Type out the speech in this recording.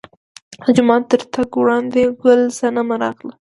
د جومات تر تګ وړاندې ګل صنمه راغله.